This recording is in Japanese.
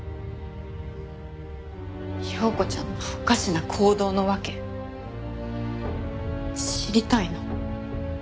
庸子ちゃんのおかしな行動の訳知りたいの。